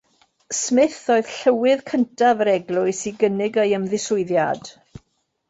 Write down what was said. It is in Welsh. Smith oedd llywydd cyntaf yr eglwys i gynnig ei ymddiswyddiad.